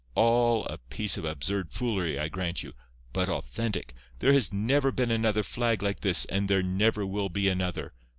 All a piece of absurd foolery, I grant you—but authentic. There has never been another flag like this, and there never will be another.